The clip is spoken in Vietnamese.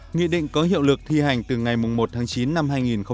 nghị định có hiệu lực thi hành từ ngày một tháng chín năm hai nghìn một mươi chín